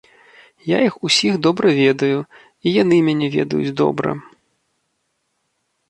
Я іх усіх добра ведаю, і яны мяне ведаюць добра.